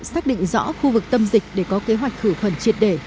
xác định rõ khu vực tâm dịch để có kế hoạch khử khuẩn triệt để